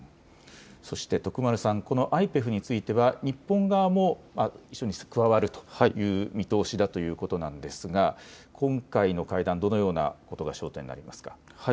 そして徳丸さん、ＩＰＥＦについては日本側も加わるという見通しだということなんですが今回の会談、どのようなことが焦点となりますか。